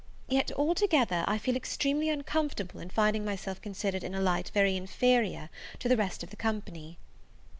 Yet, altogether, I feel extremely uncomfortable in finding myself considered in a light very inferior to the rest of the company.